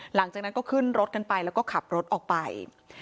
หลังจากนั้นก็ขึ้นรถกันไปแล้วก็ขับรถออกไป